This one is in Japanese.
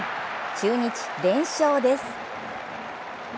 中日、連勝です。